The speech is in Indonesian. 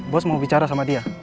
bos mau bicara sama dia